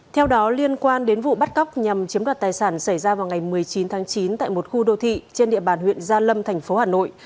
theo đó liên quan đến vụ bắt cóc nhằm chiếm đoạt tài sản xảy ra vào ngày một mươi chín tháng chín tại một khu đô thị trên địa bàn huyện gia lâm thành phố hà nội